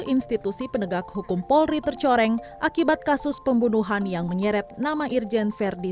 institusi penegak hukum polri tercoreng akibat kasus pembunuhan yang menyeret nama irjen verdi